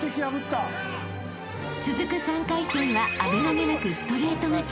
［続く３回戦は危なげなくストレート勝ち］